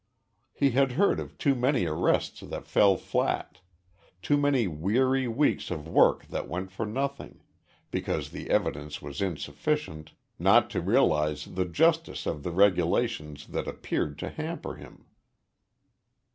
He had heard of too many arrests that fell flat, too many weary weeks of work that went for nothing because the evidence was insufficient not to realize the justice of the regulations that appeared to hamper him.